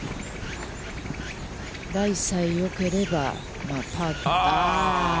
ライさえよければああ。